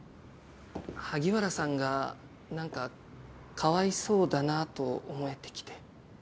萩原さんが何かかわいそうだなと思えてきて。